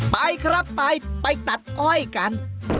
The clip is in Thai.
ไปครับไปไปตัดอ้อยกัน